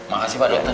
makasih pak dokter